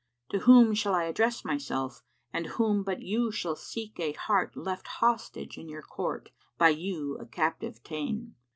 To whom shall I address myself; and whom but you shall seek * A heart left hostage in your Court, by you a captive ta'en?